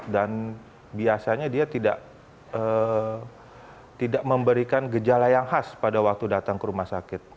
dan biasanya dia tidak memberikan gejala yang khas pada waktu datang ke rumah sakit